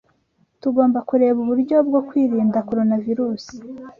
Tugomba kureba uburyo bwo kwirinda Coronavirus.